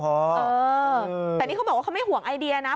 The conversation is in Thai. เออแต่นี่เขาบอกว่าเขาไม่ห่วงไอเดียนะ